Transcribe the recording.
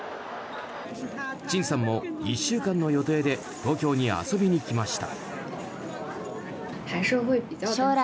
チンさんも１週間の予定で東京に遊びに来ました。